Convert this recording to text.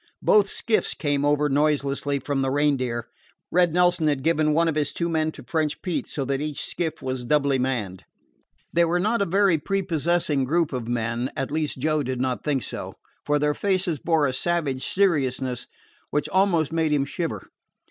Both skiffs came over noiselessly from the Reindeer. Red Nelson had given one of his two men to French Pete, so that each skiff was doubly manned. They were not a very prepossessing group of men, at least, Joe did not think so, for their faces bore a savage seriousness which almost made him shiver.